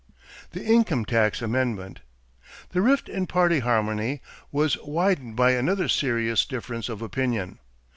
=The Income Tax Amendment.= The rift in party harmony was widened by another serious difference of opinion.